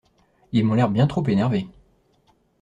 Ils m’ont l’air bien trop énervés.